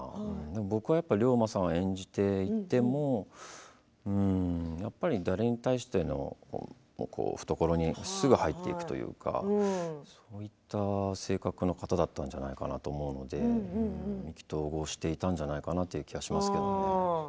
僕は龍馬さんを演じていてもやっぱり誰に対しても懐に入っていくというかそういった性格の方だったんじゃないかなと思うので意気投合していたんじゃないかなという気がします。